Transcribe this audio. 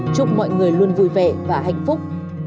chúc mọi người luôn vui vẻ và hạnh phúc